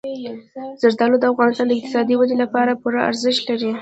زردالو د افغانستان د اقتصادي ودې لپاره پوره ارزښت لري.